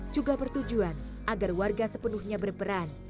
juga bertujuan agar warga sepenuhnya berperan